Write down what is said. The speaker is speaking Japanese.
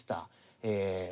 え